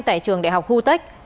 tại trường đại học hutech